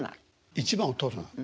一番を取るな。